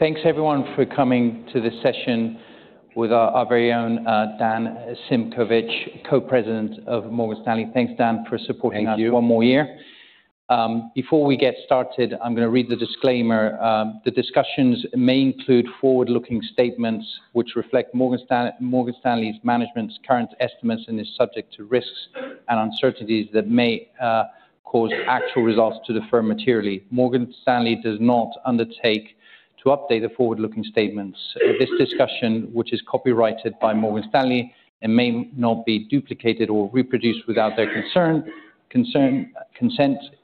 Thanks everyone for coming to this session with our very own Dan Simkowitz, Co-President of Morgan Stanley. Thanks, Dan, for supporting us. Thank you.... one more year. Before we get started, I'm gonna read the disclaimer. The discussions may include forward-looking statements which reflect Morgan Stanley's management's current estimates and is subject to risks and uncertainties that may cause actual results to differ materially. Morgan Stanley does not undertake to update the forward-looking statements. This discussion, which is copyrighted by Morgan Stanley, it may not be duplicated or reproduced without their consent.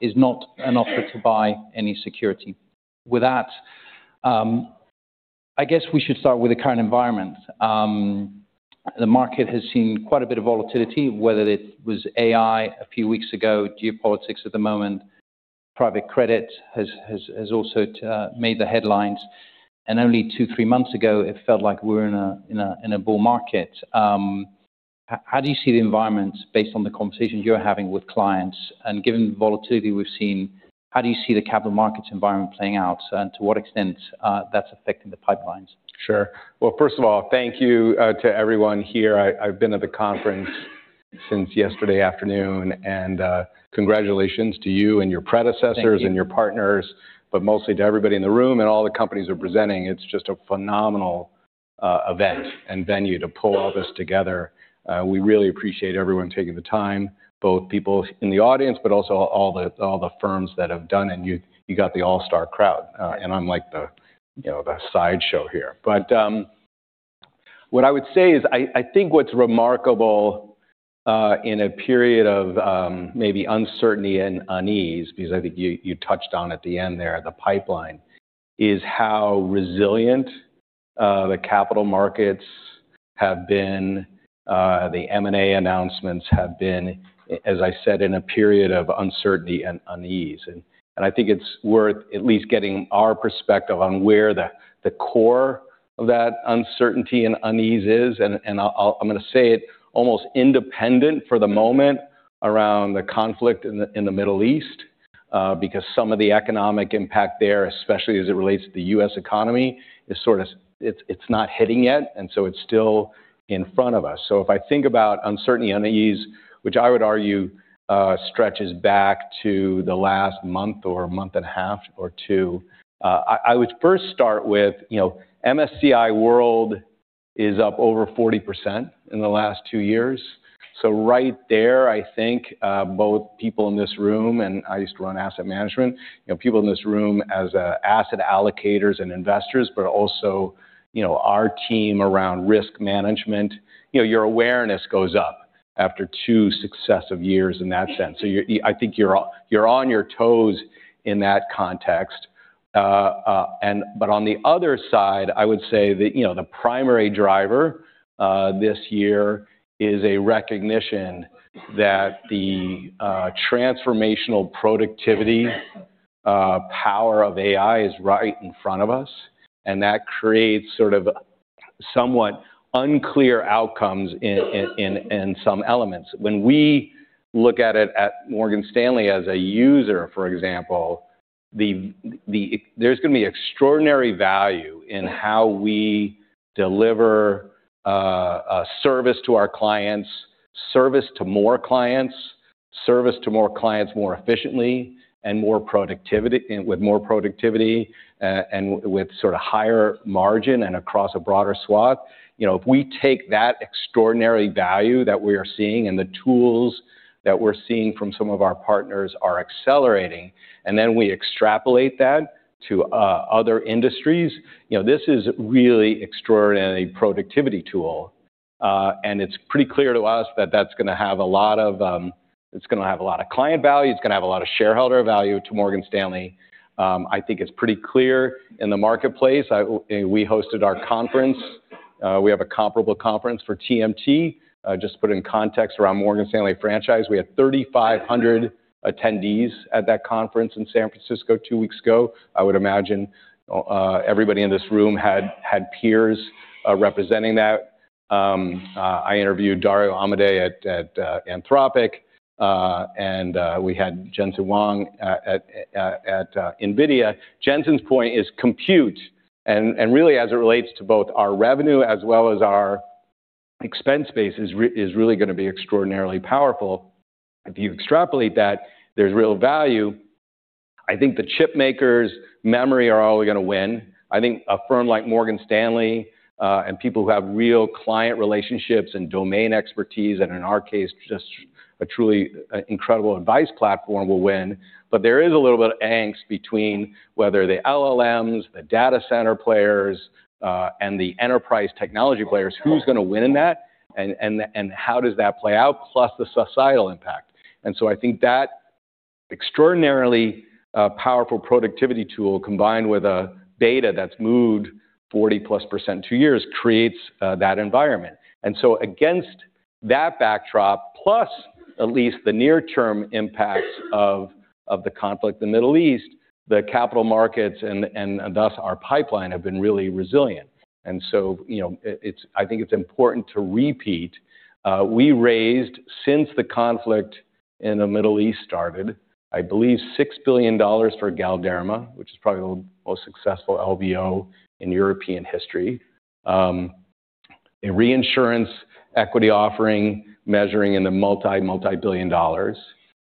Is not an offer to buy any security. With that, I guess we should start with the current environment. The market has seen quite a bit of volatility, whether it was AI a few weeks ago, geopolitics at the moment. Private credit has also made the headlines. Only two, three months ago, it felt like we were in a bull market. How do you see the environment based on the conversations you're having with clients? Given the volatility we've seen, how do you see the capital markets environment playing out, and to what extent that's affecting the pipelines? Sure. Well, first of all, thank you to everyone here. I've been at the conference since yesterday afternoon, and congratulations to you and your predecessors. Thank you. your partners, but mostly to everybody in the room and all the companies who are presenting. It's just a phenomenal event and venue to pull all this together. We really appreciate everyone taking the time, both people in the audience, but also all the firms that have done. You got the all-star crowd, and I'm like the, you know, sideshow here. What I would say is I think what's remarkable in a period of maybe uncertainty and unease, because I think you touched on at the end there, the pipeline, is how resilient the capital markets have been. The M&A announcements have been, as I said, in a period of uncertainty and unease. I think it's worth at least getting our perspective on where the core of that uncertainty and unease is, and I'm gonna say it almost independent for the moment around the conflict in the Middle East. Because some of the economic impact there, especially as it relates to the U.S. economy, is sort of not hitting yet, and so it's still in front of us. If I think about uncertainty and unease, which I would argue stretches back to the last month or month and a half or two, I would first start with, you know, MSCI World is up over 40% in the last two years. Right there, I think both people in this room, and I used to run asset management. You know, people in this room as asset allocators and investors, but also, you know, our team around risk management. Your awareness goes up after two successive years in that sense. I think you're on your toes in that context. On the other side, I would say that, you know, the primary driver this year is a recognition that the transformational productivity power of AI is right in front of us, and that creates sort of somewhat unclear outcomes in some elements. When we look at it at Morgan Stanley as a user, for example. There's gonna be extraordinary value in how we deliver a service to our clients, service to more clients more efficiently and with more productivity, and with sort of higher margin and across a broader swath. You know, if we take that extraordinary value that we are seeing and the tools that we're seeing from some of our partners are accelerating, and then we extrapolate that to other industries, you know, this is really extraordinarily productivity tool. And it's pretty clear to us that that's gonna have a lot of. It's gonna have a lot of client value. It's gonna have a lot of shareholder value to Morgan Stanley. I think it's pretty clear in the marketplace. We hosted our conference. We have a comparable conference for TMT. Just to put it in context around Morgan Stanley franchise. We had 3,500 attendees at that conference in San Francisco two weeks ago. I would imagine everybody in this room had peers representing that. I interviewed Dario Amodei at Anthropic, and we had Jensen Huang at NVIDIA. Jensen's point is compute, and really as it relates to both our revenue as well as our expense base, is really gonna be extraordinarily powerful. If you extrapolate that, there's real value. I think the chip makers, memory are all gonna win. I think a firm like Morgan Stanley, and people who have real client relationships and domain expertise, and in our case, just a truly incredible advice platform will win. There is a little bit of angst between whether the LLMs, the data center players, and the enterprise technology players, who's gonna win in that? How does that play out? Plus the societal impact. I think that extraordinarily powerful productivity tool combined with data that's moved 40%+ two years creates that environment. Against that backdrop, plus at least the near-term impacts of the conflict in the Middle East, the capital markets and thus our pipeline have been really resilient. It's important to repeat. We raised since the conflict in the Middle East started, I believe $6 billion for Galderma, which is probably the most successful LBO in European history. A reinsurance equity offering measuring in the multi-billion dollars.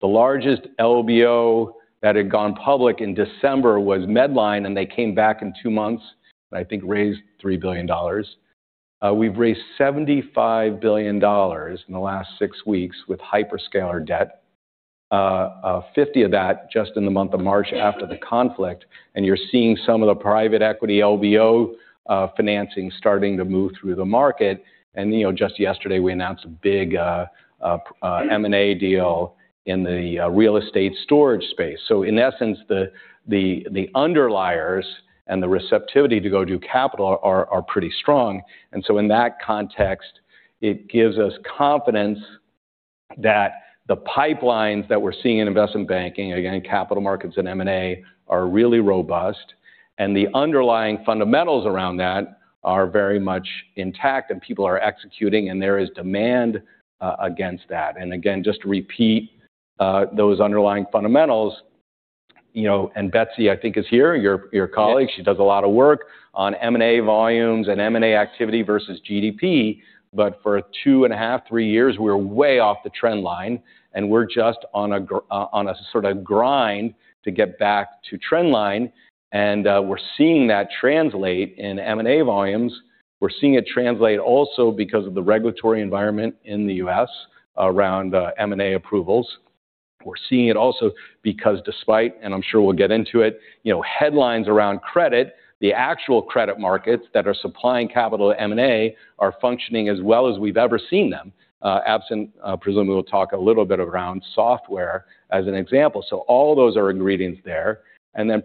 The largest LBO that had gone public in December was Medline, and they came back in two months and I think raised $3 billion. We've raised $75 billion in the last six weeks with hyperscaler debt. 50 of that just in the month of March after the conflict. You're seeing some of the private equity LBO financing starting to move through the market. You know, just yesterday we announced a big M&A deal in the real estate storage space. In essence, the underliers and the receptivity to go do capital are pretty strong. In that context, it gives us confidence that the pipelines that we're seeing in investment banking, again, capital markets and M&A, are really robust. The underlying fundamentals around that are very much intact and people are executing and there is demand against that. Again, just to repeat, those underlying fundamentals, you know, and Betsy, I think is here, your colleague. She does a lot of work on M&A volumes and M&A activity versus GDP. For 2.5-3 years, we're way off the trend line, and we're just on a sort of grind to get back to trend line. We're seeing that translate in M&A volumes. We're seeing it translate also because of the regulatory environment in the U.S. around M&A approvals. We're seeing it also because, despite, and I'm sure we'll get into it, you know, headlines around credit, the actual credit markets that are supplying capital to M&A are functioning as well as we've ever seen them. Absent, presumably we'll talk a little bit around software as an example. All those are ingredients there.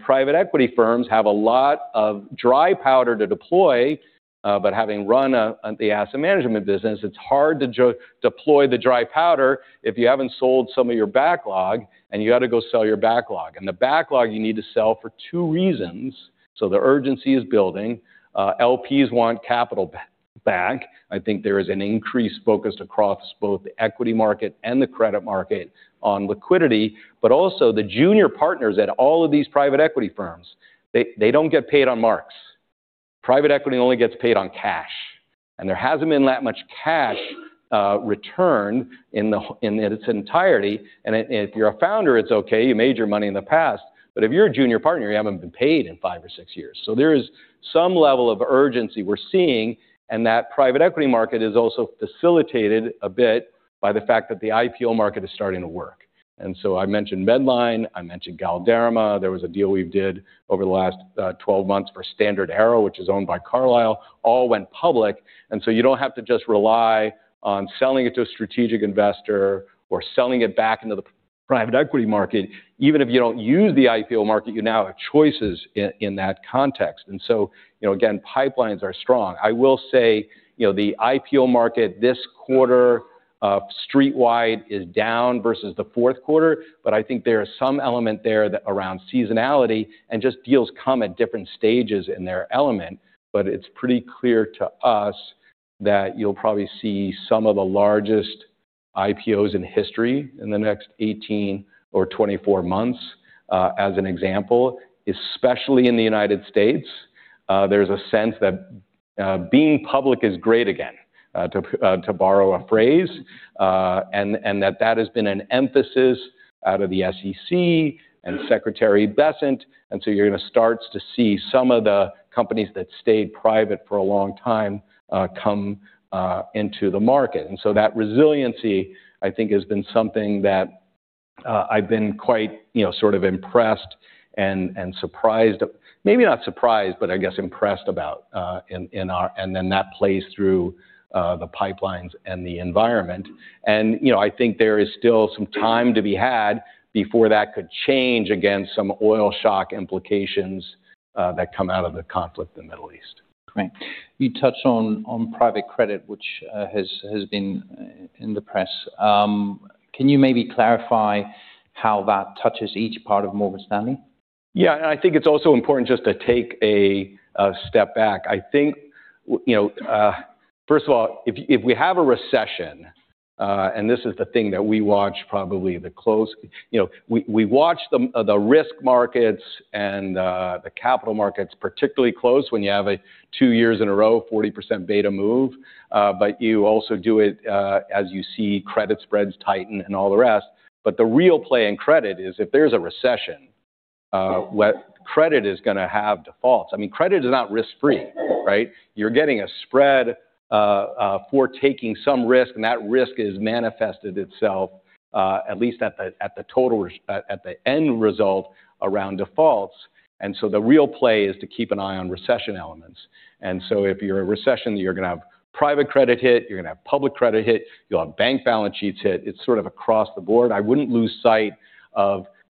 Private equity firms have a lot of dry powder to deploy, but having run the asset management business, it's hard to just deploy the dry powder if you haven't sold some of your backlog and you got to go sell your backlog. The backlog you need to sell for two reasons. The urgency is building. LPs want capital back. I think there is an increased focus across both the equity market and the credit market on liquidity. Also the junior partners at all of these private equity firms, they don't get paid on marks. Private equity only gets paid on cash, and there hasn't been that much cash returned in its entirety. If you're a founder, it's okay, you made your money in the past. But if you're a junior partner, you haven't been paid in five or six years. There is some level of urgency we're seeing, and that private equity market is also facilitated a bit by the fact that the IPO market is starting to work. I mentioned Medline, I mentioned Galderma. There was a deal we did over the last 12 months for StandardAero, which is owned by Carlyle, all went public. You don't have to just rely on selling it to a strategic investor or selling it back into the private equity market. Even if you don't use the IPO market, you now have choices in that context. You know, again, pipelines are strong. I will say, you know, the IPO market this quarter, street-wide is down versus the fourth quarter. I think there is some element there that around seasonality and just deals come at different stages in their element. It's pretty clear to us that you'll probably see some of the largest IPOs in history in the next 18 or 24 months, as an example, especially in the United States. There's a sense that being public is great again, to borrow a phrase, and that has been an emphasis out of the SEC and Secretary Bessent. You're gonna start to see some of the companies that stayed private for a long time come into the market. That resiliency, I think, has been something that I've been quite, you know, sort of impressed and surprised. Maybe not surprised, but I guess impressed about in our. Then that plays through the pipelines and the environment. You know, I think there is still some time to be had before that could change against some oil shock implications that come out of the conflict in the Middle East. Great. You touched on private credit, which has been in the press. Can you maybe clarify how that touches each part of Morgan Stanley? Yeah. I think it's also important just to take a step back. I think you know first of all if we have a recession and this is the thing that we watch probably the close. You know we watch the risk markets and the capital markets particularly close when you have two years in a row 40% beta move. You also do it as you see credit spreads tighten and all the rest. The real play in credit is if there's a recession what credit is gonna have defaults. I mean credit is not risk-free right? You're getting a spread for taking some risk and that risk has manifested itself at least at the end result around defaults. The real play is to keep an eye on recession elements. If you're in a recession, you're gonna have private credit hit, you're gonna have public credit hit, you'll have bank balance sheets hit. It's sort of across the board. I wouldn't lose sight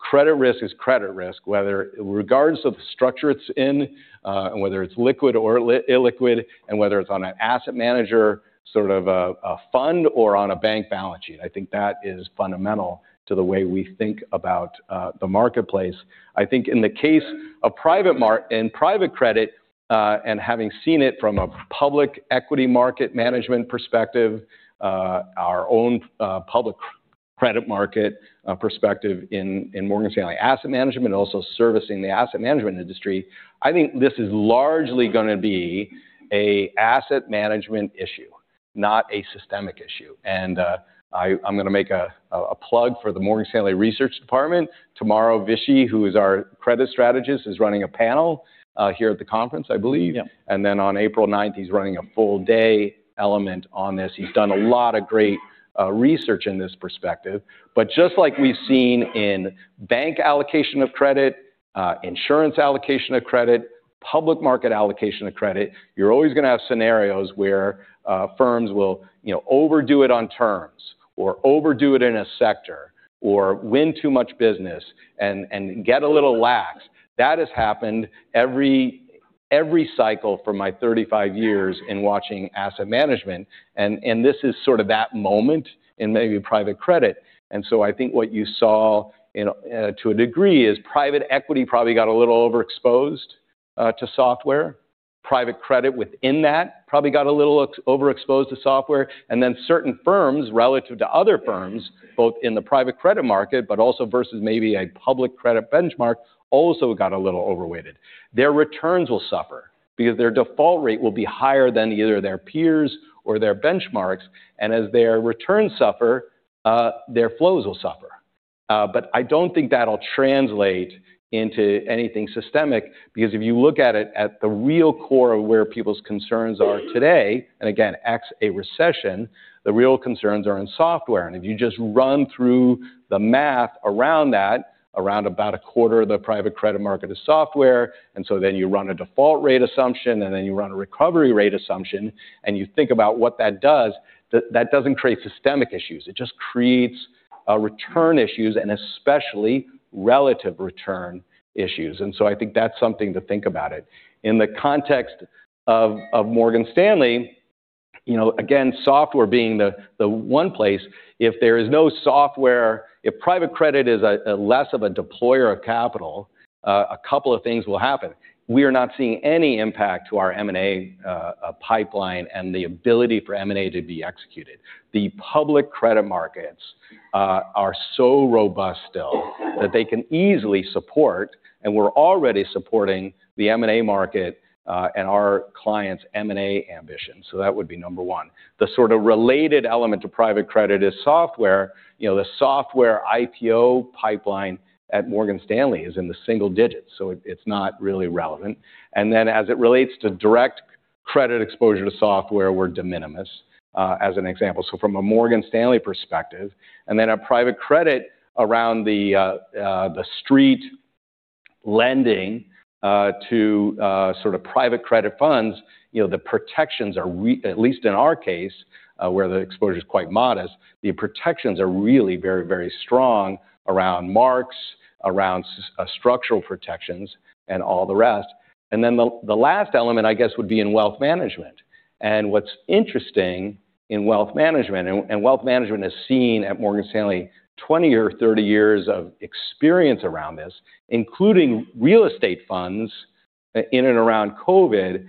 that credit risk is credit risk, regardless of the structure it's in, and whether it's liquid or illiquid, and whether it's on an asset manager, sort of a fund or on a bank balance sheet. I think that is fundamental to the way we think about the marketplace. I think in the case of private credit, and having seen it from a public equity market management perspective, our own public credit market perspective in Morgan Stanley Investment Management, and also servicing the asset management industry. I think this is largely gonna be an asset management issue, not a systemic issue. I'm gonna make a plug for the Morgan Stanley research department. Tomorrow, Vishy, who is our credit strategist, is running a panel here at the conference, I believe. Yep. On April ninth, he's running a full day event on this. He's done a lot of great research in this space. Just like we've seen in bank allocation of credit, insurance allocation of credit, public market allocation of credit, you're always gonna have scenarios where firms will, you know, overdo it on terms or overdo it in a sector or win too much business and get a little lax. That has happened every cycle for my 35 years in watching asset management and this is sort of that moment in maybe private credit. I think what you saw to a degree is private equity probably got a little overexposed to software. Private credit within that probably got a little overexposed to software. Then certain firms relative to other firms, both in the private credit market, but also versus maybe a public credit benchmark, also got a little overweighted. Their returns will suffer because their default rate will be higher than either their peers or their benchmarks. As their returns suffer, their flows will suffer. I don't think that'll translate into anything systemic because if you look at it at the real core of where people's concerns are today, and again, ex a recession, the real concerns are in software. If you just run through the math around that, around about a quarter of the private credit market is software. You run a default rate assumption, and then you run a recovery rate assumption, and you think about what that does, that doesn't create systemic issues. It just creates return issues and especially relative return issues. I think that's something to think about. In the context of Morgan Stanley, you know, again, software being the one place. If private credit is a less of a deployer of capital, a couple of things will happen. We are not seeing any impact to our M&A pipeline and the ability for M&A to be executed. The public credit markets are so robust still that they can easily support, and we're already supporting the M&A market and our clients' M&A ambitions. That would be number one. The sort of related element to private credit is software. You know, the software IPO pipeline at Morgan Stanley is in the single digits, so it's not really relevant. As it relates to direct credit exposure to software, we're de minimis, as an example. From a Morgan Stanley perspective, private credit around the street lending to sort of private credit funds, you know, the protections are at least in our case, where the exposure's quite modest, the protections are really very, very strong around marks, around structural protections, and all the rest. The last element, I guess, would be in wealth management. What's interesting in wealth management, and wealth management has seen at Morgan Stanley 20 or 30 years of experience around this, including real estate funds, in and around COVID.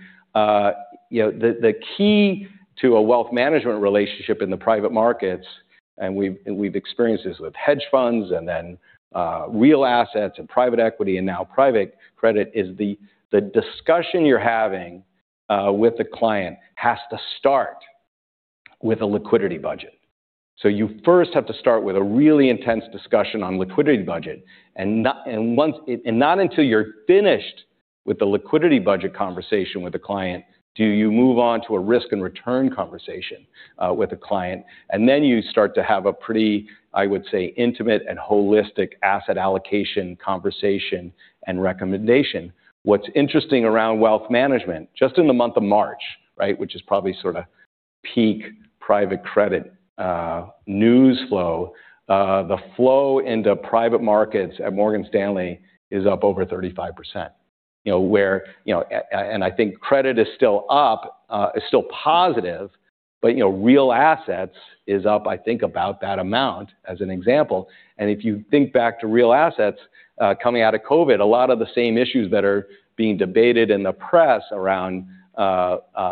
You know, the key to a wealth management relationship in the private markets, and we've experienced this with hedge funds and then real assets and private equity and now private credit, is the discussion you're having with the client has to start with a liquidity budget. You first have to start with a really intense discussion on liquidity budget, and not until you're finished with the liquidity budget conversation with the client, do you move on to a risk and return conversation with the client. Then you start to have a pretty, I would say, intimate and holistic asset allocation conversation and recommendation. What's interesting around wealth management, just in the month of March, right, which is probably sort of peak private credit news flow, the flow into private markets at Morgan Stanley is up over 35%. You know, where, you know, and I think credit is still up, is still positive, but, you know, real assets is up, I think about that amount as an example. If you think back to real assets, coming out of COVID, a lot of the same issues that are being debated in the press around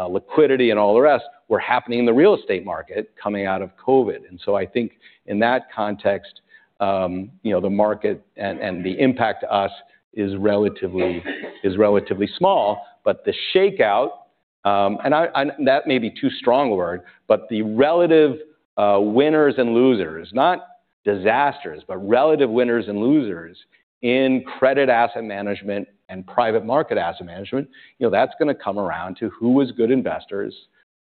liquidity and all the rest were happening in the real estate market coming out of COVID. I think in that context, you know, the market and the impact to us is relatively small. The shakeout, and that may be too strong a word, but the relative winners and losers, not disasters, but relative winners and losers in credit asset management and private market asset management, you know, that's gonna come around to who was good investors,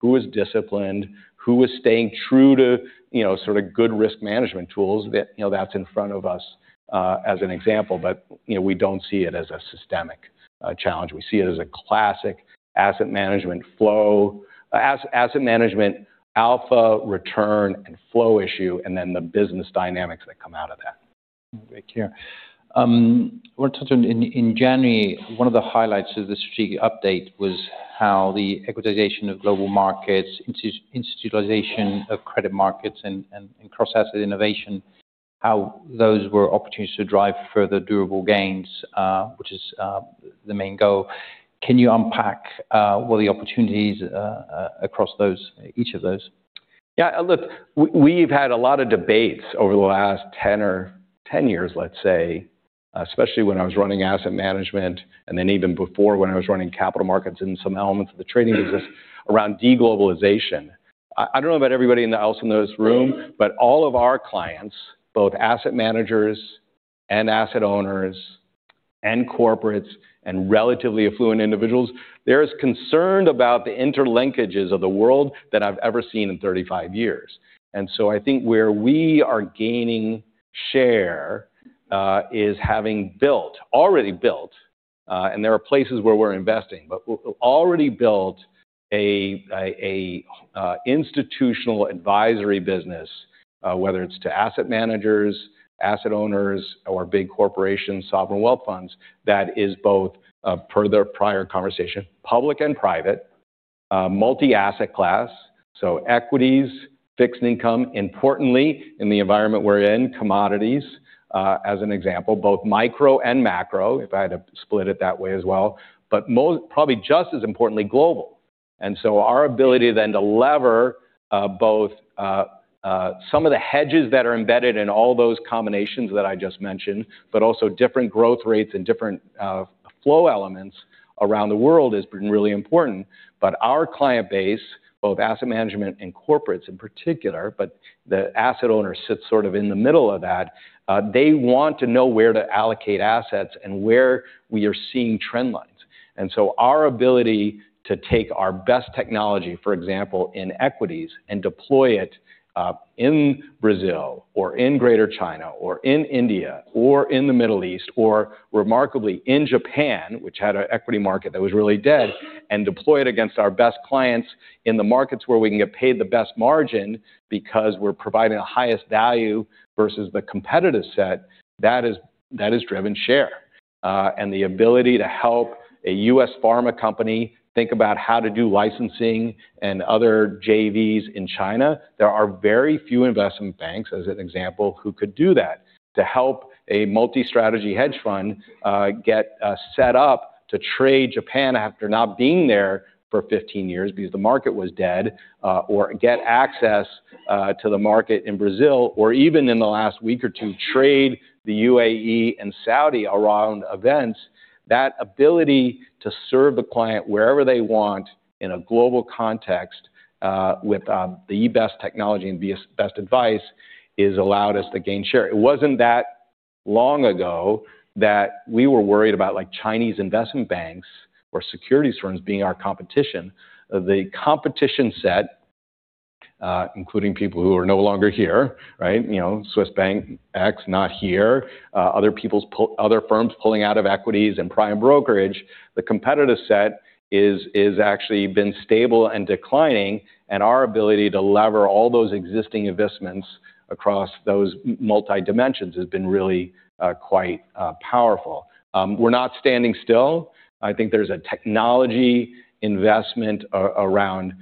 who was disciplined, who was staying true to, you know, sort of good risk management tools that, you know, that's in front of us, as an example. We don't see it as a systemic challenge. We see it as a classic asset management flow, asset management alpha return and flow issue, and then the business dynamics that come out of that. Thank you. I want to touch on, in January, one of the highlights of the strategy update was how the equitization of global markets, institutionalization of credit markets and cross-asset innovation, how those were opportunities to drive further durable gains, which is the main goal. Can you unpack what the opportunities across each of those? Yeah. Look, we've had a lot of debates over the last 10 years, let's say, especially when I was running asset management and then even before when I was running capital markets and some elements of the trading business around de-globalization. I don't know about everybody else in this room, but all of our clients, both asset managers and asset owners and corporates and relatively affluent individuals, they're as concerned about the interlinkages of the world than I've ever seen in 35 years. I think where we are gaining share is having already built and there are places where we're investing, but we've already built a institutional advisory business whether it's to asset managers, asset owners or big corporations, sovereign wealth funds that is both per the prior conversation, public and private multi-asset class. Equities, fixed income, importantly, in the environment we're in, commodities, as an example, both micro and macro, if I had to split it that way as well, but most probably just as importantly, global. Our ability then to leverage both some of the hedges that are embedded in all those combinations that I just mentioned, but also different growth rates and different flow elements around the world has been really important. Our client base, both asset management and corporates in particular, but the asset owner sits sort of in the middle of that, they want to know where to allocate assets and where we are seeing trend lines. Our ability to take our best technology, for example, in equities and deploy it in Brazil or in Greater China or in India or in the Middle East, or remarkably in Japan, which had an equity market that was really dead, and deploy it against our best clients in the markets where we can get paid the best margin because we're providing the highest value versus the competitive set, that has driven share. The ability to help a U.S. pharma company think about how to do licensing and other JVs in China, there are very few investment banks, as an example, who could do that. To help a multi-strategy hedge fund get set up to trade Japan after not being there for 15 years because the market was dead, or get access to the market in Brazil, or even in the last week or two, trade the UAE and Saudi around events. That ability to serve the client wherever they want in a global context with the best technology and the best advice has allowed us to gain share. It wasn't that long ago that we were worried about like Chinese investment banks or securities firms being our competition. The competition set, including people who are no longer here, right? You know, Swiss Bank X not here. Other firms pulling out of equities and prime brokerage. The competitive set is actually been stable and declining, and our ability to leverage all those existing investments across those multi dimensions has been really quite powerful. We're not standing still. I think there's a technology investment around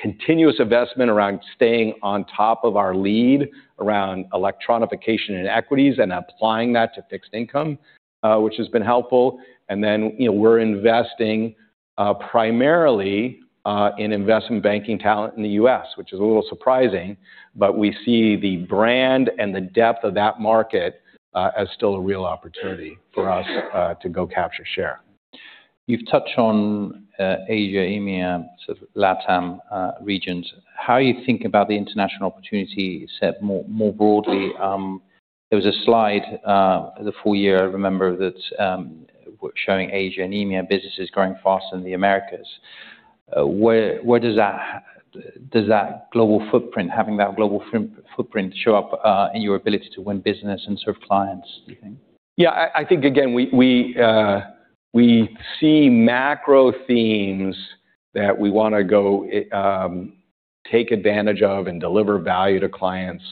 continuous investment around staying on top of our lead, around electronification in equities and applying that to fixed income, which has been helpful. You know, we're investing primarily in investment banking talent in the U.S., which is a little surprising, but we see the brand and the depth of that market as still a real opportunity for us to go capture share. You've touched on Asia, EMEA, sort of LatAm regions. How do you think about the international opportunity set more broadly? There was a slide the full year I remember that showing Asia and EMEA businesses growing faster than the Americas. Where does that global footprint having that global footprint show up in your ability to win business and serve clients, do you think? Yeah. I think again, we see macro themes that we wanna take advantage of and deliver value to clients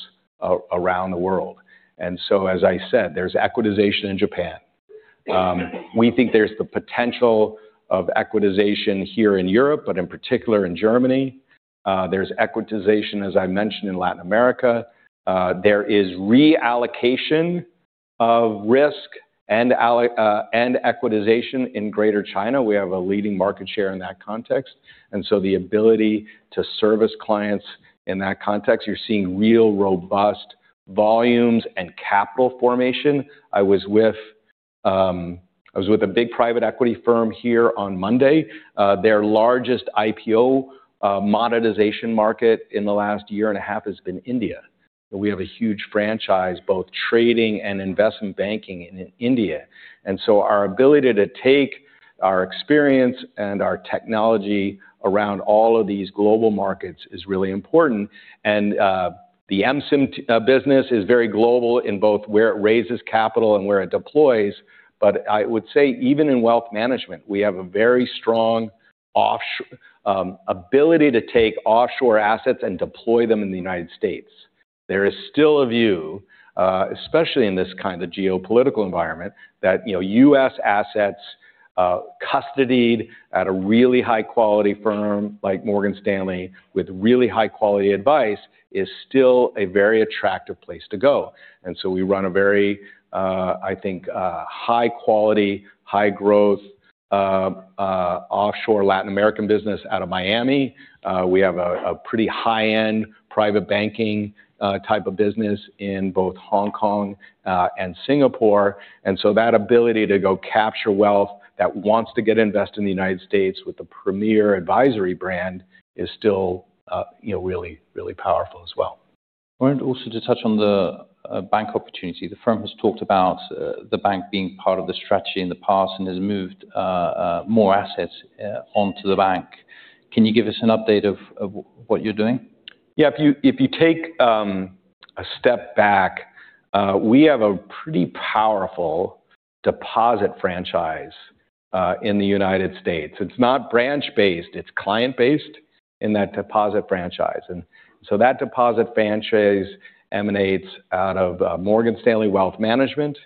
around the world. As I said, there's equitization in Japan. We think there's the potential of equitization here in Europe, but in particular in Germany. There's equitization, as I mentioned, in Latin America. There is reallocation of risk and equitization in Greater China. We have a leading market share in that context. The ability to service clients in that context, you're seeing real robust volumes and capital formation. I was with a big private equity firm here on Monday. Their largest IPO monetization market in the last year and a half has been India. We have a huge franchise both trading and investment banking in India. Our ability to take our experience and our technology around all of these global markets is really important. The ISG business is very global in both where it raises capital and where it deploys. I would say even in wealth management, we have a very strong ability to take offshore assets and deploy them in the United States. There is still a view, especially in this kind of geopolitical environment, that, you know, U.S. assets custodied at a really high-quality firm like Morgan Stanley with really high-quality advice is still a very attractive place to go. We run a very, I think, high quality, high growth, offshore Latin American business out of Miami. We have a pretty high-end private banking type of business in both Hong Kong and Singapore. That ability to go capture wealth that wants to get invested in the United States with the premier advisory brand is still, you know, really, really powerful as well. Wanted also to touch on the bank opportunity. The firm has talked about the bank being part of the strategy in the past and has moved more assets onto the bank. Can you give us an update of what you're doing? Yeah. If you take a step back, we have a pretty powerful deposit franchise in the United States. It's not branch-based, it's client-based in that deposit franchise. That deposit franchise emanates out of Morgan Stanley Wealth Management.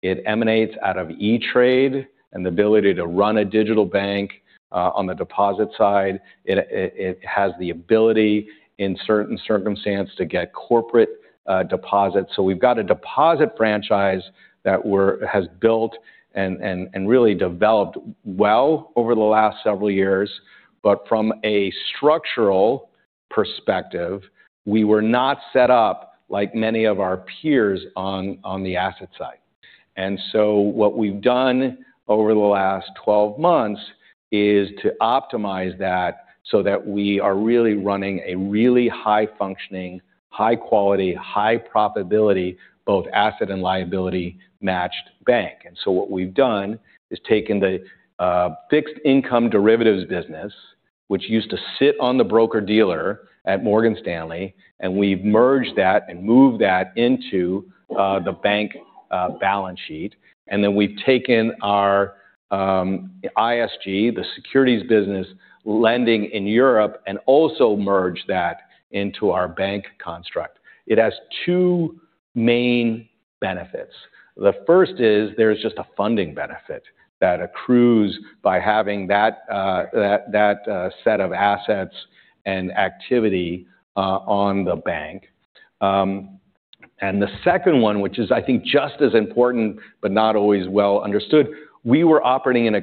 It emanates out of E*TRADE and the ability to run a digital bank on the deposit side. It has the ability in certain circumstances to get corporate deposits. We've got a deposit franchise that has built and really developed well over the last several years. From a structural perspective, we were not set up like many of our peers on the asset side. What we've done over the last 12 months is to optimize that so that we are really running a really high functioning, high quality, high profitability, both asset and liability matched bank. What we've done is taken the fixed income derivatives business, which used to sit on the broker-dealer at Morgan Stanley, and we've merged that and moved that into the bank balance sheet. Then we've taken our ISG, the securities business lending in Europe, and also merged that into our bank construct. It has two main benefits. The first is there's just a funding benefit that accrues by having that set of assets and activity on the bank. The second one, which I think is just as important but not always well understood, we were operating as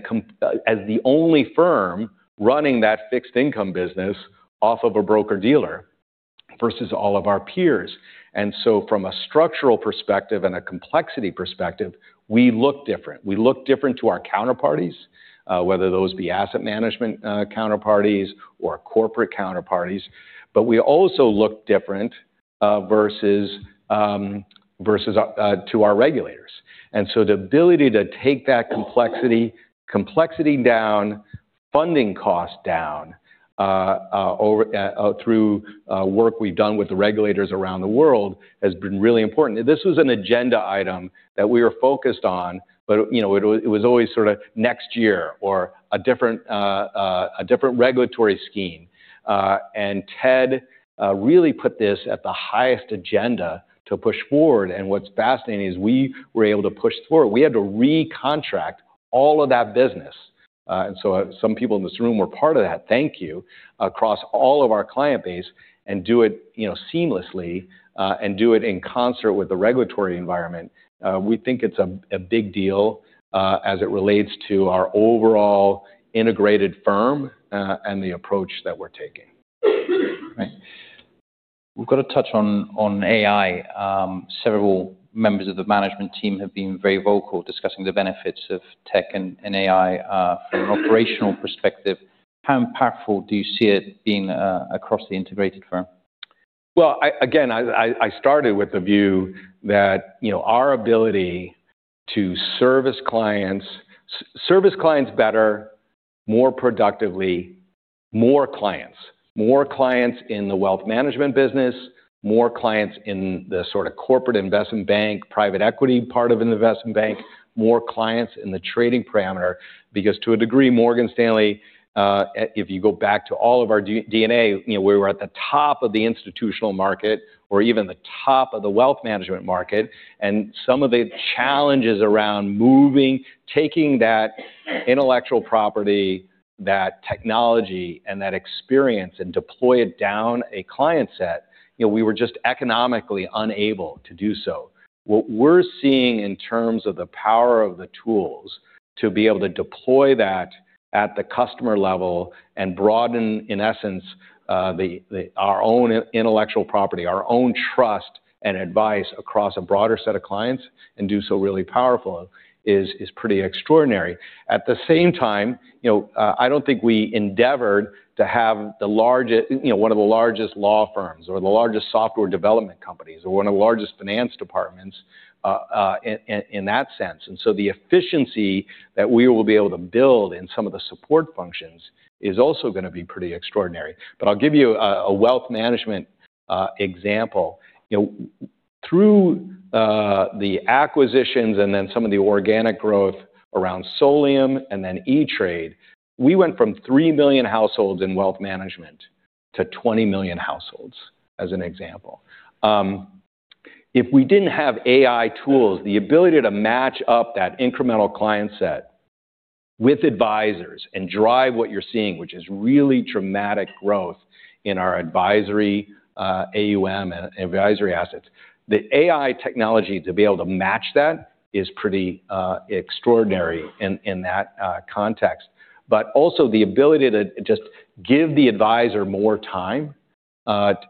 the only firm running that fixed income business off of a broker-dealer versus all of our peers. From a structural perspective and a complexity perspective, we look different. We look different to our counterparties, whether those be asset management counterparties or corporate counterparties, but we also look different versus to our regulators. The ability to take that complexity down, funding cost down, through work we've done with the regulators around the world has been really important. This was an agenda item that we were focused on, but you know, it was always sort of next year or a different regulatory scheme. Ted really put this at the highest agenda to push forward. What's fascinating is we were able to push forward. We had to recontract all of that business. Some people in this room were part of that, thank you, across all of our client base and do it, you know, seamlessly, and do it in concert with the regulatory environment. We think it's a big deal as it relates to our overall integrated firm and the approach that we're taking. Right. We've got to touch on AI. Several members of the management team have been very vocal discussing the benefits of tech and AI from an operational perspective. How impactful do you see it being across the integrated firm? Well, again, I started with the view that, you know, our ability to service clients, service clients better, more productively, more clients. More clients in the wealth management business, more clients in the sort of corporate investment bank, private equity part of investment bank, more clients in the trading parameter. Because to a degree, Morgan Stanley, if you go back to all of our DNA, you know, we were at the top of the institutional market or even the top of the wealth management market. Some of the challenges around moving, taking that intellectual property, that technology, and that experience and deploy it down a client set, you know, we were just economically unable to do so. What we're seeing in terms of the power of the tools to be able to deploy that at the customer level and broaden, in essence, our own intellectual property, our own trust and advice across a broader set of clients and do so really powerful is pretty extraordinary. At the same time, you know, I don't think we endeavored to have you know, one of the largest law firms or the largest software development companies or one of the largest finance departments in that sense. The efficiency that we will be able to build in some of the support functions is also gonna be pretty extraordinary. I'll give you a wealth management example. You know, through the acquisitions and then some of the organic growth around Solium and then E*TRADE, we went from 3 million households in wealth management to 20 million households, as an example. If we didn't have AI tools, the ability to match up that incremental client set with advisors and drive what you're seeing, which is really dramatic growth in our advisory AUM and advisory assets. The AI technology to be able to match that is pretty extraordinary in that context. Also the ability to just give the advisor more time.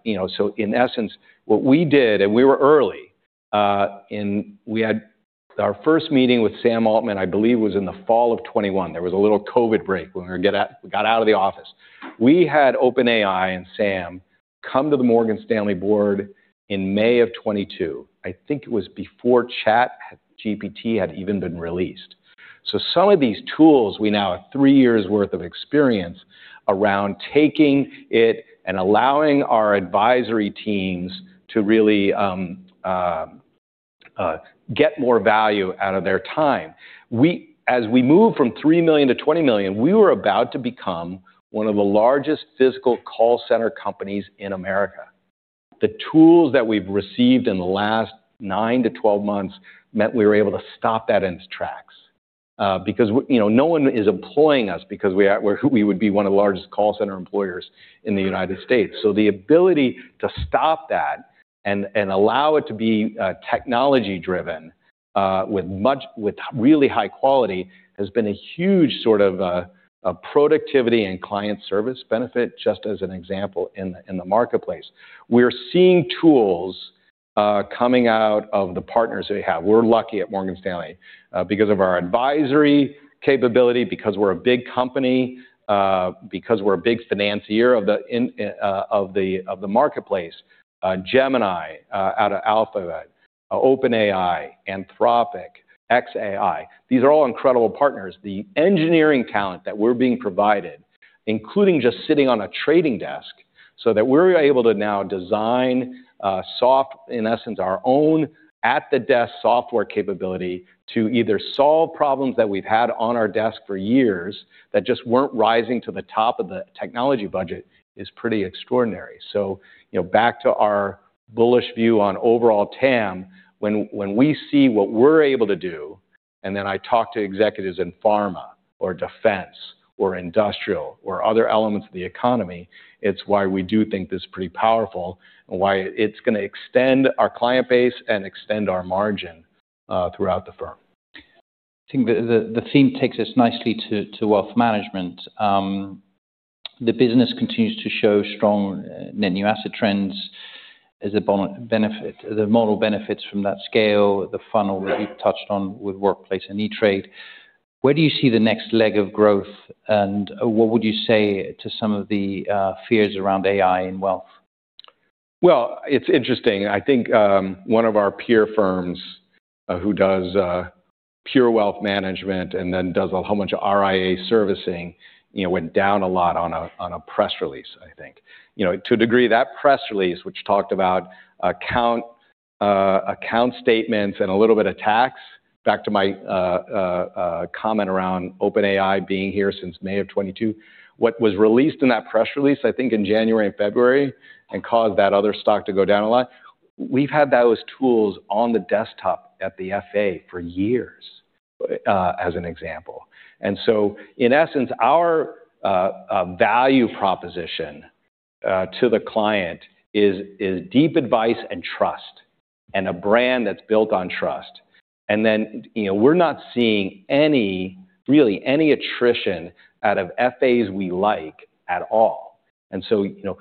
You know, in essence, what we did, and we were early. We had our first meeting with Sam Altman, I believe, was in the fall of 2021. There was a little COVID break when we got out of the office. We had OpenAI and Sam come to the Morgan Stanley board in May of 2022. I think it was before ChatGPT had even been released. Some of these tools, we now have three years' worth of experience around taking it and allowing our advisory teams to really get more value out of their time. As we moved from 3 million to 20 million, we were about to become one of the largest physical call center companies in America. The tools that we've received in the last nine to 12 months meant we were able to stop that in its tracks, because you know, no one is employing us because we would be one of the largest call center employers in the United States. The ability to stop that and allow it to be technology-driven with really high quality has been a huge sort of productivity and client service benefit, just as an example, in the marketplace. We're seeing tools coming out of the partners that we have. We're lucky at Morgan Stanley because of our advisory capability, because we're a big company because we're a big financier of the marketplace. Gemini out of Alphabet, OpenAI, Anthropic, xAI, these are all incredible partners. The engineering talent that we're being provided, including just sitting on a trading desk, so that we're able to now design soft. In essence, our own at-the-desk software capability to either solve problems that we've had on our desk for years that just weren't rising to the top of the technology budget, is pretty extraordinary. You know, back to our bullish view on overall TAM, when we see what we're able to do, and then I talk to executives in pharma or defense or industrial or other elements of the economy, it's why we do think this is pretty powerful and why it's gonna extend our client base and extend our margin throughout the firm. I think the theme takes us nicely to Wealth Management. The business continues to show strong net new asset trends as a benefit. The model benefits from that scale, the funnel that you touched on with Workplace and E*TRADE. Where do you see the next leg of growth, and what would you say to some of the fears around AI and wealth? Well, it's interesting. I think one of our peer firms who does pure wealth management and then does a whole bunch of RIA servicing, you know, went down a lot on a press release, I think. You know, to a degree, that press release, which talked about account statements and a little bit of tax, back to my comment around OpenAI being here since May of 2022, what was released in that press release, I think in January and February, and caused that other stock to go down a lot. We've had those tools on the desktop at the FA for years, as an example. In essence, our value proposition to the client is deep advice and trust, and a brand that's built on trust. You know, we're not seeing really any attrition out of FAs we like at all. You know,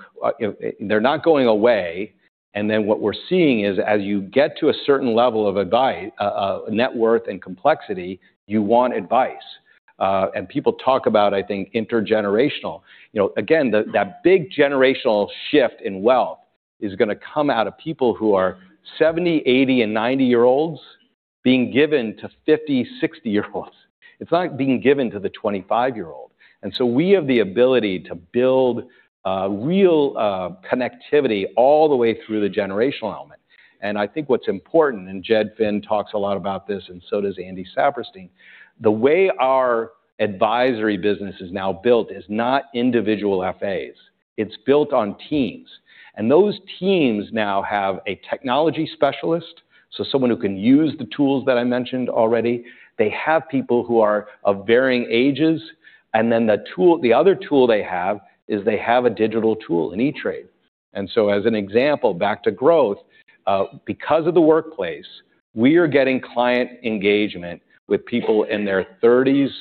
they're not going away, and then what we're seeing is as you get to a certain level of net worth and complexity, you want advice. People talk about, I think, intergenerational. You know, again, that big generational shift in wealth is gonna come out of people who are 70, 80, and 90-year-olds being given to 50, 60-year-olds. It's not being given to the 25-year-old. We have the ability to build real connectivity all the way through the generational element. I think what's important, and Jed Finn talks a lot about this, and so does Andy Saperstein, the way our advisory business is now built is not individual FAs. It's built on teams. Those teams now have a technology specialist, so someone who can use the tools that I mentioned already. They have people who are of varying ages. The other tool they have is a digital tool, an E*TRADE. As an example, back to growth, because of the workplace, we are getting client engagement with people in their twenties,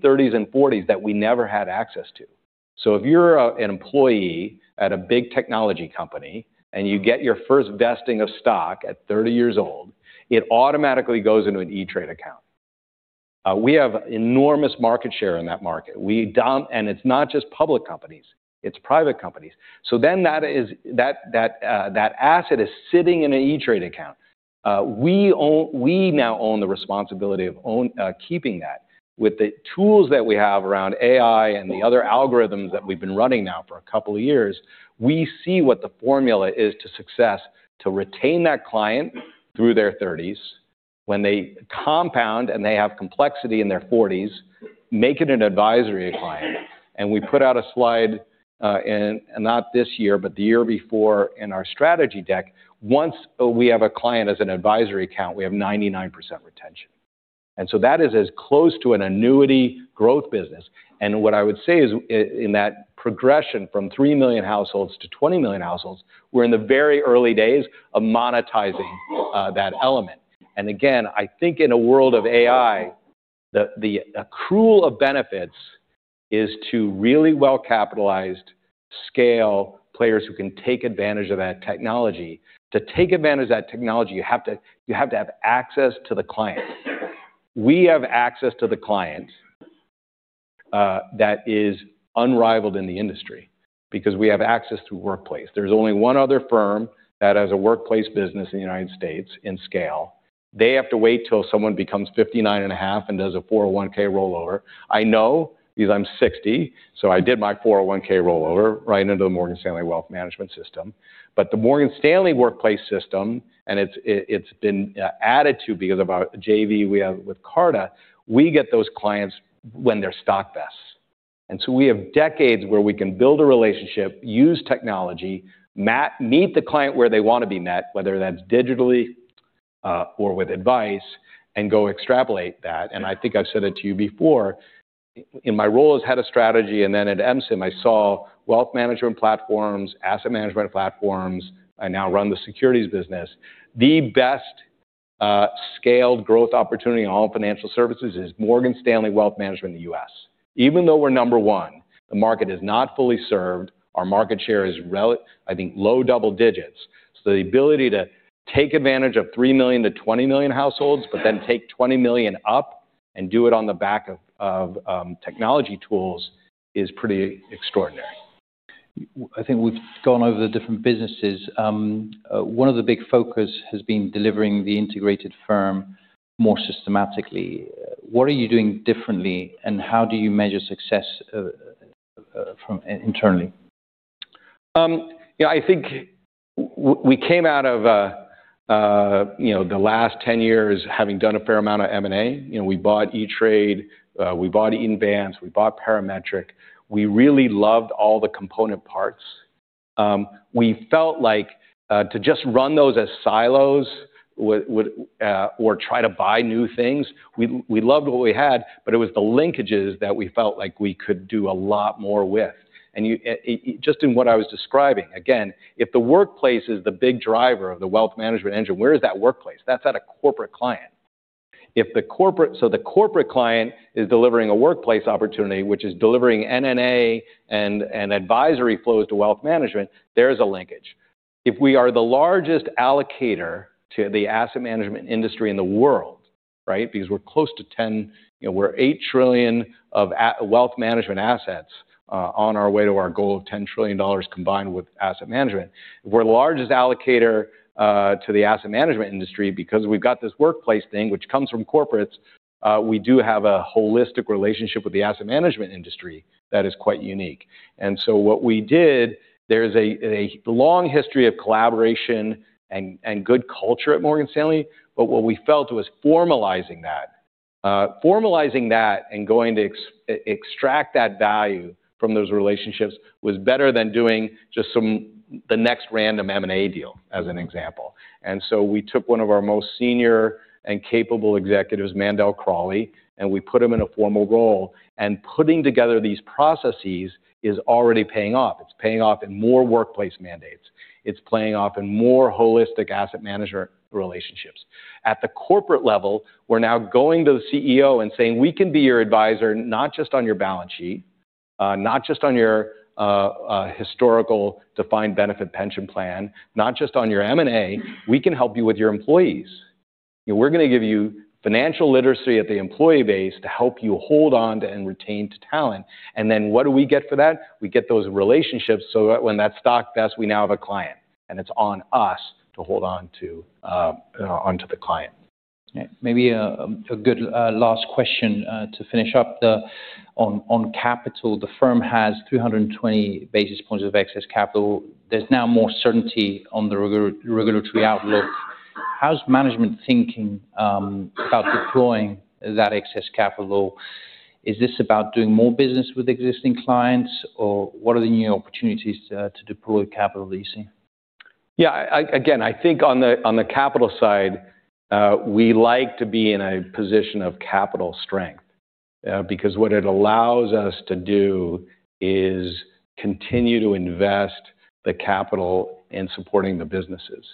thirties, and forties that we never had access to. If you're an employee at a big technology company, and you get your first vesting of stock at thirty years old, it automatically goes into an E*TRADE account. We have enormous market share in that market. It's not just public companies, it's private companies. That asset is sitting in an E*TRADE account. We now own the responsibility of owning keeping that. With the tools that we have around AI and the other algorithms that we've been running now for a couple of years, we see what the formula is to success to retain that client through their thirties. When they compound and they have complexity in their forties, make it an advisory client. We put out a slide in, not this year, but the year before in our strategy deck. Once we have a client as an advisory account, we have 99% retention. That is as close to an annuity growth business. What I would say is in that progression from 3 million households to 20 million households, we're in the very early days of monetizing that element. Again, I think in a world of AI, the accrual of benefits is to really well-capitalized scale players who can take advantage of that technology. To take advantage of that technology, you have to have access to the client. We have access to the client that is unrivaled in the industry because we have access to workplace. There's only one other firm that has a workplace business in the United States in scale. They have to wait till someone becomes 59.5 and does a 401(k) rollover. I know because I'm 60, so I did my 401(k) rollover right into the Morgan Stanley Wealth Management system. The Morgan Stanley workplace system, it's been added to because of our JV we have with Carta, we get those clients when they're stock vested. We have decades where we can build a relationship, use technology, meet the client where they want to be met, whether that's digitally, or with advice, and go extrapolate that. I think I've said it to you before, in my role as head of strategy and then at MSIM, I saw wealth management platforms, asset management platforms. I now run the securities business. The best scaled growth opportunity in all financial services is Morgan Stanley Wealth Management in the US. Even though we're number one, the market is not fully served. Our market share is relatively, I think, low double digits. The ability to take advantage of 3 million-20 million households, but then take 20 million up and do it on the back of technology tools is pretty extraordinary. I think we've gone over the different businesses. One of the big focus has been delivering the integrated firm more systematically. What are you doing differently, and how do you measure success from internally? You know, I think we came out of, you know, the last ten years having done a fair amount of M&A. You know, we bought E*TRADE, we bought Parametric. We really loved all the component parts. We felt like, to just run those as silos would, or try to buy new things, we loved what we had, but it was the linkages that we felt like we could do a lot more with. Just in what I was describing, again, if the workplace is the big driver of the wealth management engine, where is that workplace? That's at a corporate client. The corporate client is delivering a workplace opportunity, which is delivering NNA and advisory flows to wealth management, there is a linkage. If we are the largest allocator to the asset management industry in the world, right? Because we're close to 10, you know, we're $8 trillion of wealth management assets, on our way to our goal of $10 trillion combined with asset management. We're the largest allocator to the asset management industry because we've got this workplace thing which comes from corporates. We do have a holistic relationship with the asset management industry that is quite unique. What we did, there is a long history of collaboration and good culture at Morgan Stanley, but what we felt was formalizing that. Formalizing that and going to extract that value from those relationships was better than doing just some the next random M&A deal, as an example. We took one of our most senior and capable executives, Mandell Crawley, and we put him in a formal role. Putting together these processes is already paying off. It's paying off in more workplace mandates. It's paying off in more holistic asset manager relationships. At the corporate level, we're now going to the CEO and saying, "We can be your advisor not just on your balance sheet, not just on your historical defined benefit pension plan, not just on your M&A. We can help you with your employees. We're gonna give you financial literacy at the employee base to help you hold on to and retain talent." Then what do we get for that? We get those relationships so that when that stock vests we now have a client, and it's on us to hold on to the client. Maybe a good last question to finish up on capital. The firm has 320 basis points of excess capital. There's now more certainty on the regulatory outlook. How's management thinking about deploying that excess capital? Is this about doing more business with existing clients or what are the new opportunities to deploy capital leasing? Yeah. Again, I think on the capital side, we like to be in a position of capital strength. Because what it allows us to do is continue to invest the capital in supporting the businesses.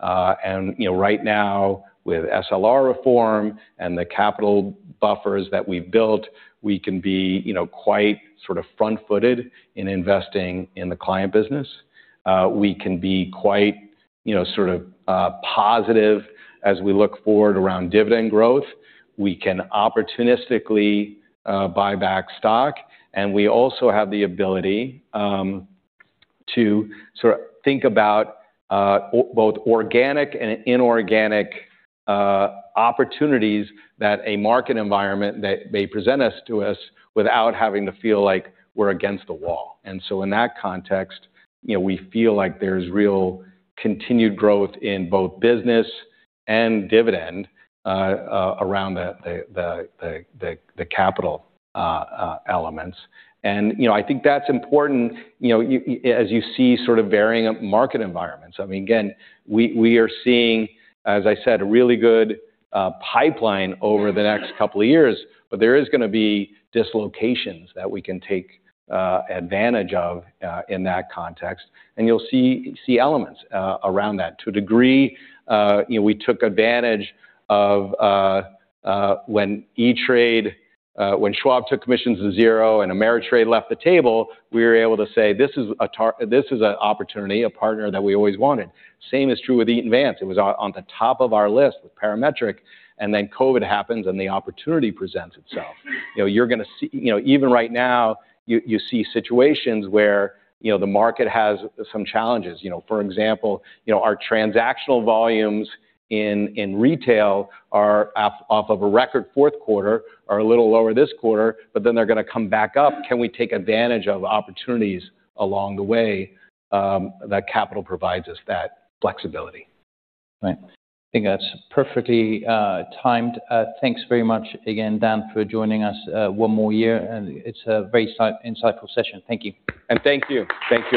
You know, right now with SLR reform and the capital buffers that we've built, we can be, you know, quite sort of front-footed in investing in the client business. We can be quite, you know, sort of, positive as we look forward around dividend growth. We can opportunistically buy back stock. We also have the ability to sort of think about both organic and inorganic opportunities that a market environment may present to us without having to feel like we're against the wall. In that context, we feel like there's real continued growth in both business and dividend around the capital elements. I think that's important as you see sort of varying market environments. Again, we are seeing, as I said, really good pipeline over the next couple of years. There is gonna be dislocations that we can take advantage of in that context. You'll see elements around that. To a degree, we took advantage of when E*TRADE, when Schwab took commissions to zero and TD Ameritrade left the table, we were able to say, "This is an opportunity, a partner that we always wanted." Same is true with Eaton Vance. It was on the top of our list with Parametric, and then COVID happens and the opportunity presents itself. You know, you're gonna see. You know, even right now, you see situations where, you know, the market has some challenges. You know, for example, you know, our transactional volumes in retail are off of a record fourth quarter, are a little lower this quarter, but then they're gonna come back up. Can we take advantage of opportunities along the way? That capital provides us that flexibility. Right. I think that's perfectly timed. Thanks very much again, Dan, for joining us one more year. It's a very insightful session. Thank you. Thank you. Thank you.